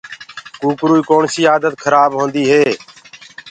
ڪوڪروئي ڪوڻسي آدت خرآب هوندي هي